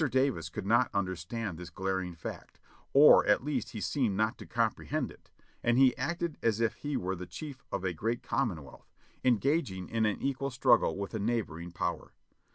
Davis could not understand this glaring fact, or at least he seemed not to comprehend it, and he acted as if he were the chief of a great Commonwealth, engaging in an equal struggle with a neighbor ing power.